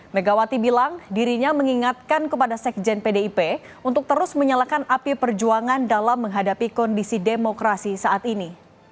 megawati bilang dirinya mengingatkan kepada sekjen pdip untuk terus menyalakan api perjuangan dalam menghadapi kondisi demokrasi saat ini